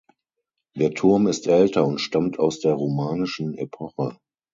Der Turm ist älter und stammt aus der romanischen Epoche.